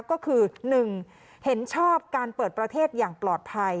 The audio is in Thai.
ก็คือ๑เห็นชอบการเปิดประเทศอย่างปลอดภัย